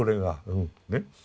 うんね。